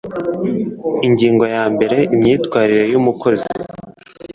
Ingingo ya mbere Imyitwarire y umukozi